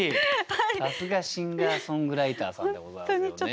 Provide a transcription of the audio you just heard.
さすがシンガーソングライターさんでございますよね。